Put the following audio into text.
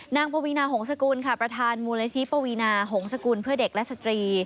ปวีนาหงษกุลค่ะประธานมูลนิธิปวีนาหงศกุลเพื่อเด็กและสตรี